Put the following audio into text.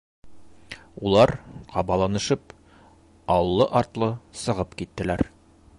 Улар, ҡабаланышып, аллы-артлы сығып киттеләр.